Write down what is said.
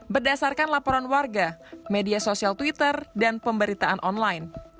berdasarkan laporan warga media sosial twitter dan pemberitaan online